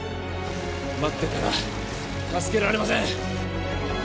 待ってたら助けられません